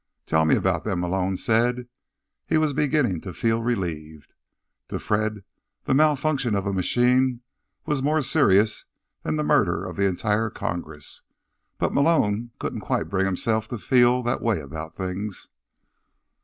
"Tell me about them," Malone said. He was beginning to feel relieved. To Fred, the malfunction of a machine was more serious than the murder of the entire Congress. But Malone couldn't quite bring himself to feel that way about things.